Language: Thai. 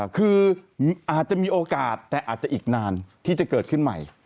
คืออาจจะมีโอกาสแต่อาจจะอีกนานที่จะเกิดขึ้นใหม่